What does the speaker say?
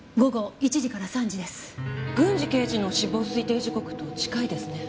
郡侍刑事の死亡推定時刻と近いですね。